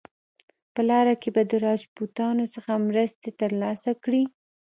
په لاره کې به د راجپوتانو څخه مرستې ترلاسه کړي.